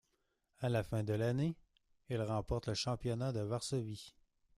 À la fin de l'année, il remporte le championnat de Varsovie.